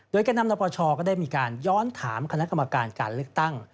โดยแก่นำนปชก็ได้มีการย้อนถามคณะกรรมการการเลือกตั้ง